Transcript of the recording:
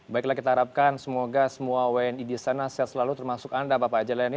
baiklah kita harapkan semoga semua wni di sana selalu termasuk anda bapak ajal laini